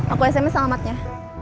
aku sms selamatnya